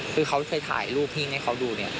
คือเขาเคยถ่ายรูปหิ้งให้เขาดูเนี่ย